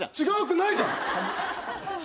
違うくないじゃん！